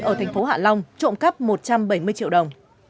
ở thành phố hạ long trộm cắp một trăm bảy mươi triệu đồng